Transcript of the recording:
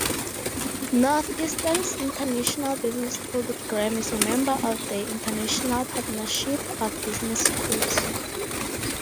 Northeastern's International Business program is a member of the International Partnership of Business Schools.